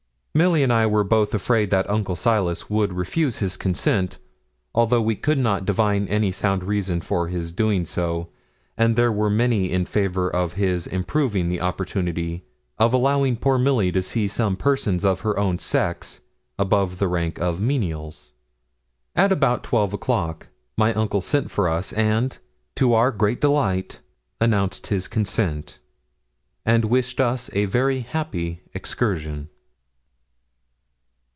Milly and I were both afraid that Uncle Silas would refuse his consent, although we could not divine any sound reason for his doing so, and there were many in favour of his improving the opportunity of allowing poor Milly to see some persons of her own sex above the rank of menials. At about twelve o'clock my uncle sent for us, and, to our great delight, announced his consent, and wished us a very happy excursion.